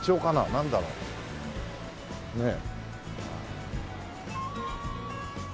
なんだろう。ねえ。